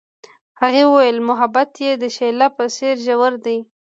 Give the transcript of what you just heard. هغې وویل محبت یې د شعله په څېر ژور دی.